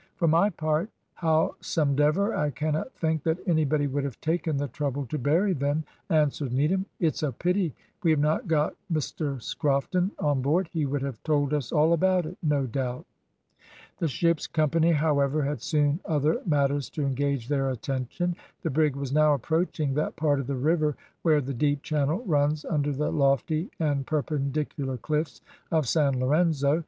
"For my part, howsomedever, I cannot think that anybody would have taken the trouble to bury them," answered Needham. "It's a pity we have not got Mr Scrofton on board; he would have told us all about it, no doubt." The ship's company, however, had soon other matters to engage their attention. The brig was now approaching that part of the river where the deep channel runs under the lofty and perpendicular cliffs of San Lorenzo.